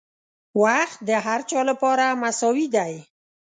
• وخت د هر چا لپاره مساوي دی.